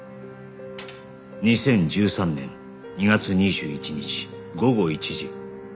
２０１３年２月２１日午後１時